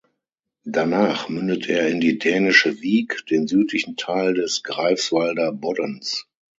Danach mündet er in die Dänische Wiek, den südlichen Teil des Greifswalder Boddens.